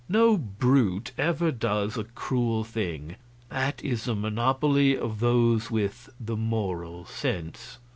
No brute ever does a cruel thing that is the monopoly of those with the Moral Sense.